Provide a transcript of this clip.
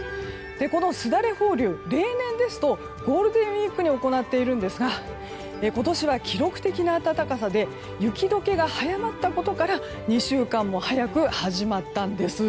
このすだれ放流、例年ですとゴールデンウィークに行っているんですが今年は記録的な暖かさで雪解けが早まったことから２週間も早く始まったんです。